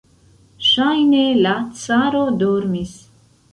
Ŝajne la caro dormis.